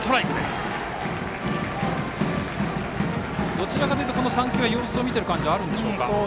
どちらかというとこの３球は様子を見ている感じでしょうか。